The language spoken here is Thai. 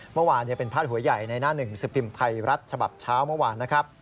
เมื่อวานเป็นพาดหัวใหญ่ในหน้าหนึ่งสิบพิมพ์ไทยรัฐฉบับเช้าเมื่อวานนะครับ